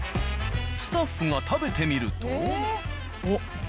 スタッフが食べてみると。